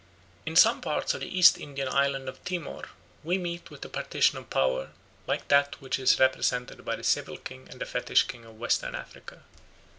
In some parts of the East Indian island of Timor we meet with a partition of power like that which is represented by the civil king and the fetish king of Western Africa.